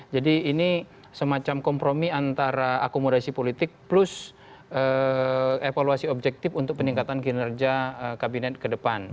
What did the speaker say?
jadi ini semacam kompromi antara akomodasi politik plus evaluasi objektif untuk peningkatan kinerja kabinet kedepan